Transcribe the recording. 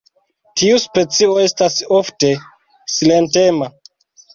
Tiu specio estas ofte silentema.